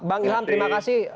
bang ilham terima kasih